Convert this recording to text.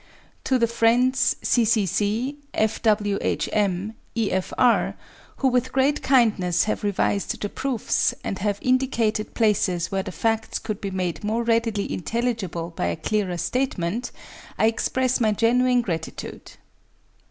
To the friends (C.C.C., F.W.H.M., E.F.R.) who with great kindness have revised the proofs, and have indicated places where the facts could be made more readily intelligible by a clearer statement, I express my genuine gratitude.